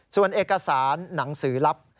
ส่วนเอกสารหนังสือลับ